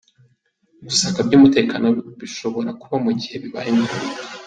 Gusaka by’umutekano bishobora kuba mu gihe bibaye ngombwa.